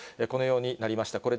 このようになりました。